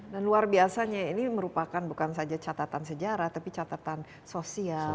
dan luar biasanya ini merupakan bukan saja catatan sejarah tapi catatan sosial